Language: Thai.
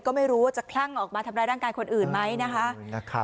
ก็ไม่รู้ว่าจะคลั่งออกมาทำร้ายร่างกายคนอื่นไหมนะคะ